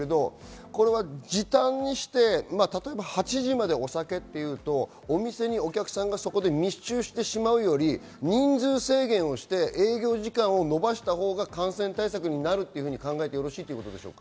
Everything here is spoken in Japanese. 時短にして８時までお酒というと、お店にお客さんがそこで密集してしまうより、人数制限をして営業時間を延ばしたほうが感染対策になるというふうに考えてよろしいですか。